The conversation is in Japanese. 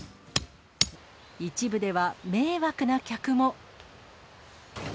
一部では迷惑な客も。